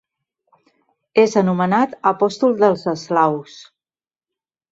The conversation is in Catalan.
És anomenat apòstol dels eslaus.